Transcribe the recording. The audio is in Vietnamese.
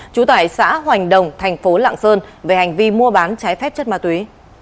chú tải xã hoành đồng thành phố lạng sơn về hành vi mua bán trái phép chất ma túy